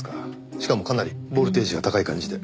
しかもかなりボルテージが高い感じで。